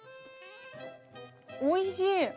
おいしい！